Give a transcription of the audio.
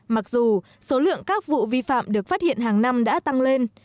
mặc dù số lượng các vụ vi phạm được phát hiện hàng năm đã tăng lên